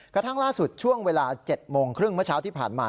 กระทั่งล่าสุดช่วงเวลา๗โมงครึ่งเมื่อเช้าที่ผ่านมา